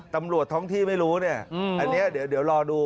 ตำรวจท้องที่ไม่รู้เนี่ยอันนี้เดี๋ยวรอดู